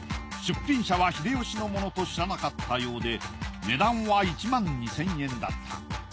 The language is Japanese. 出品者は秀吉のものと知らなかったようで値段は１万２，０００円だった。